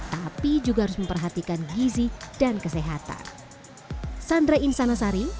tapi juga harus memperhatikan gizi dan kesehatan